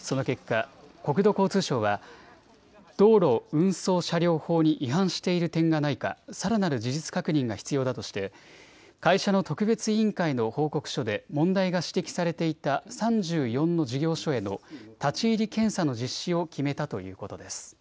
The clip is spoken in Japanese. その結果、国土交通省は道路運送車両法に違反している点がないかさらなる事実確認が必要だとして会社の特別委員会の報告書で問題が指摘されていた３４の事業所への立ち入り検査の実施を決めたということです。